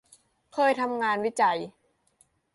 เคยทำงานวิจัย